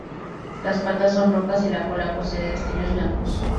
Las patas son rojas, y la cola posee destellos blancos.